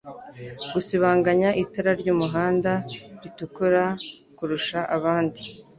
gusibanganya itara ryumuhanda ritukura kurusha abandi